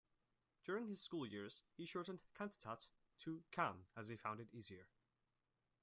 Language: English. During his school years, he shortened "Khantatat" to "Khan" as he found it easier.